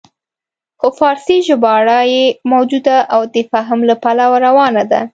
خو فارسي ژباړه یې موجوده او د فهم له پلوه روانه ده.